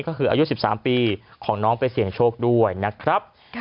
ก็คืออายุ๑๓ปีของน้องไปเสี่ยงโชคด้วยนะครับ